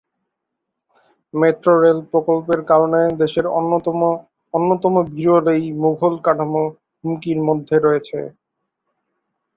Metro rail প্রকল্পের কারণে দেশের অন্যতম অন্যতম বিরল এই মুঘল কাঠামো হুমকির মধ্যে রয়েছে।